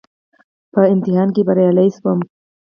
په ازموينه کې بريالی شوم.